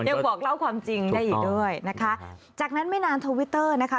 ยังบอกเล่าความจริงได้อีกด้วยนะคะจากนั้นไม่นานทวิตเตอร์นะคะ